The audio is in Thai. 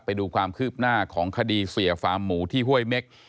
ไปดูความคืบหน้าของคดีเสียฟาร์มหมูที่ห้วยเม็ก